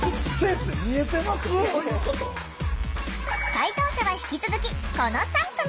解答者は引き続きこの３組！